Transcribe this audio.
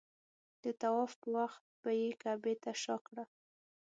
د طواف په وخت به یې کعبې ته شا کړه.